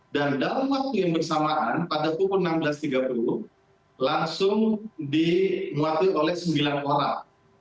dan dalam waktu yang bersamaan pada pukul enam belas tiga puluh langsung dimuatui oleh sembilan orang